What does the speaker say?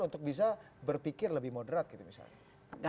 untuk bisa berpikir lebih moderat gitu misalnya